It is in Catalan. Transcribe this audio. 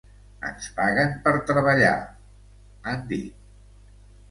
“Ens paguen per treballar”, han dit.